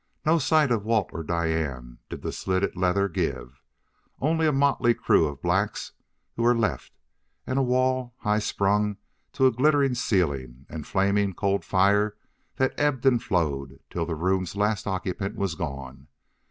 No sight of Walt or Diane did the slitted leather give; only a motley crew of blacks who were left, and a wall, high sprung to a glittering ceiling, and flaming, cold fire that ebbed and flowed till the room's last occupant was gone.